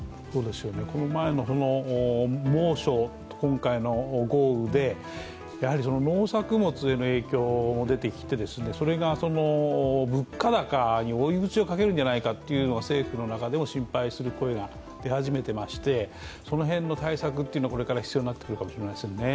この前の猛暑と今回の豪雨で農作物への影響も出てきてそれが物価高に追い打ちをかけるんじゃないかと政府の中でも心配する声が出始めていましてその辺の対策はこれから必要になってくるかもしれませんね。